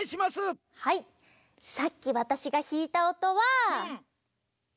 はいさっきわたしがひいたおとは。